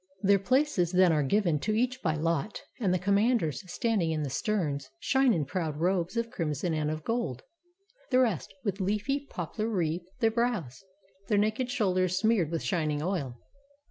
Their places then are given to each by lot. And the commanders, standing in the sterns. Shine in proud robes of crimson and of gold. The rest with leafy poplar wreathe their brows, Their naked shoulders smeared with shining oil.